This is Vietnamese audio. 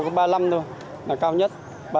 ba mươi năm thôi là cao nhất